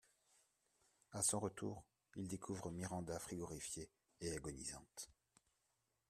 À son retour, il découvre Miranda frigorifiée et agonisante.